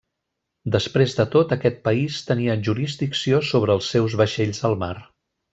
Després de tot, aquest país tenia jurisdicció sobre els seus vaixells al mar.